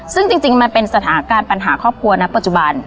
ซึ่งจริงมันเป็นสถานการณ์ปัญหาครอบครัวนะปัจจุบัน